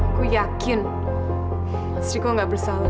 aku yakin mas riko gak bersalah